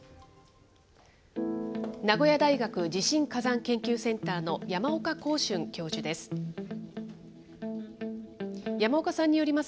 名古屋大学地震火山研究センターの山岡耕春教授です。